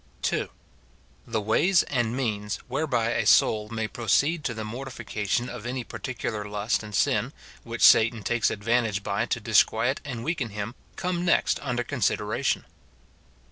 II. The ways and means whereby a soul may proceed to the mortification of any particular lust and sin, which Satan takes advantage by to disquiet and weaken him, come next under consideration.